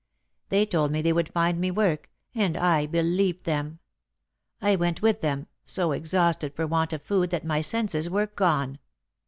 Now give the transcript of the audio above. They told me they would find me work, and I believed them. I went with them, so exhausted for want of food that my senses were gone.